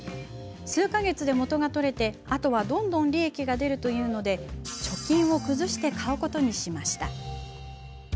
数か月で元が取れて、あとはどんどん利益が出るというので貯金を崩して買うことにしました。